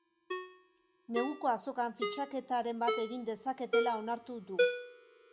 Neguko azokan fitxaketaren bat egin dezaketela onartu du.